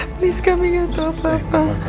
please kami gak tau apa apa